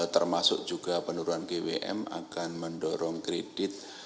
termasuk juga penurunan gwm akan mendorong kredit